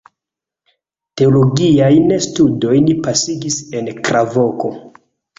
Teologiajn studojn pasigis en Krakovo.